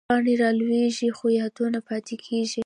پاڼې رالوېږي، خو یادونه پاتې کېږي